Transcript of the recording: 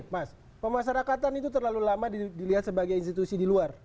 mas pemasarakatan itu terlalu lama dilihat sebagai institusi di luar